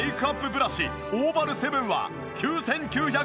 ブラシオーバル７は９９９０円！